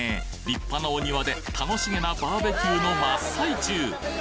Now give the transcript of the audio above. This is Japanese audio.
立派なお庭で楽しげなバーベキューの真っ最中